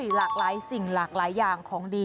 หลากหลายสิ่งหลากหลายอย่างของดี